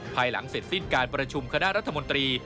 ภายหลังเสร็จสิ้นการประชุมคณะรัฐมนตรี